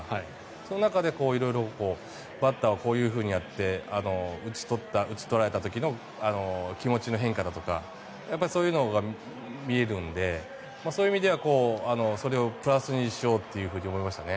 その中で色々、バッターはこういうふうにやって打ち取られた時の気持ちの変化だとかそういうのが見えるのでそういう意味ではそれをプラスにしようっていうふうに思いましたね。